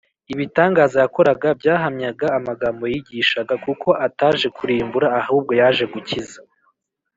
ibitangaza yakoraga byahamyaga amagambo yigishaga, yuko ataje kurimbura ahubwo yaje gukiza